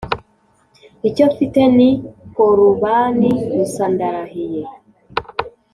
icyo mfite ni korubani gusa ndarahiye